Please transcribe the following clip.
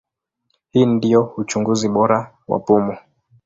Hii ndio uchunguzi bora wa pumu.